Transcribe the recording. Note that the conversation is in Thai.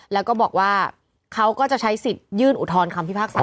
แล้วก็บอกว่าเขาก็จะใช้สิทธิ์ยื่นอุทธรณคำพิพากษา